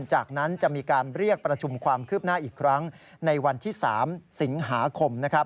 จากนั้นจะมีการเรียกประชุมความคืบหน้าอีกครั้งในวันที่๓สิงหาคม